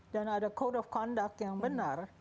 dan ada code of conduct yang benar